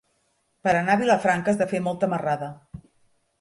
Per anar a Vilafranca has de fer molta marrada.